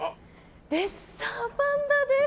レッサーパンダです。